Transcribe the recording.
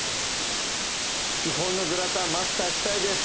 基本のグラタンマスターしたいです